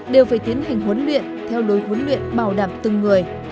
đều phải tiến hành huấn luyện theo lối huấn luyện bảo đảm từng người